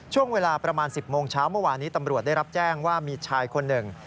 ช่วงเวลาประมาณ๑๐โมงเช้าเมื่อวานนี้ตำรวจได้รับแจ้งว่ามีชายคนหนึ่ง